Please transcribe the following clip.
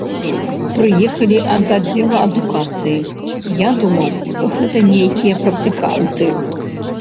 Прыехалі ад аддзела адукацыі, я думаў, гэта нейкія практыканты.